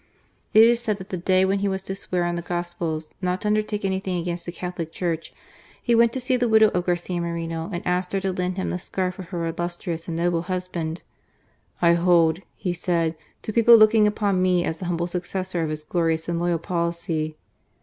It is i said that the day when he was to swear on the Gospels not to undertake anythinp apainst the Catholic Church, he went to see the widow of Garcia Moreno and asked her to lend him the scarf of her illustrious and noble husband. " I hold," he said, "to people looking upon me as the humble successor of his glorious and loyal policy."